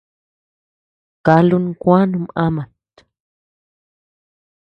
Kálu kuä num ámat.